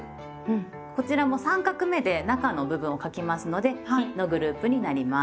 こちらも３画目で中の部分を書きますので「日」のグループになります。